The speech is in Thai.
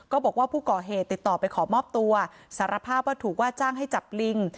บอกว่าผู้ก่อเหตุติดต่อไปขอมอบตัวสารภาพว่าถูกว่าจ้างให้จับลิง